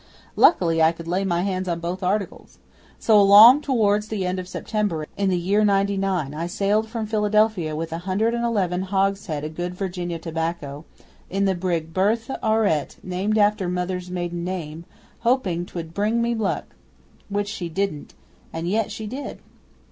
Luckily I could lay my hands on both articles. So along towards the end of September in the year 'Ninety nine I sailed from Philadelphia with a hundred and eleven hogshead o' good Virginia tobacco, in the brig BERTHE AURETTE, named after Mother's maiden name, hoping 'twould bring me luck, which she didn't and yet she did.